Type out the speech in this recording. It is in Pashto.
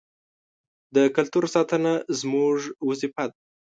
د کلتور ساتنه زموږ وظیفه ده.